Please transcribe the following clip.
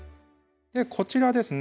こちらですね